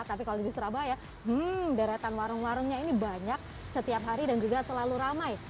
tapi kalau di surabaya deretan warung warungnya ini banyak setiap hari dan juga selalu ramai